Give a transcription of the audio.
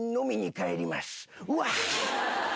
うわっ。